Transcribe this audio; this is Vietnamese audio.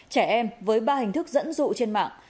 trẻ em với ba hình thức dẫn dụ trên mạng